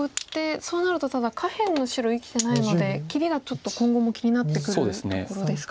そうなるとただ下辺の白生きてないので切りがちょっと今後も気になってくるところですか。